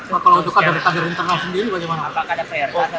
pak kalojuka dari kabir internal sendiri